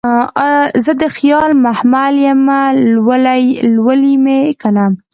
زه دخیال محمل یمه لولی مې کنه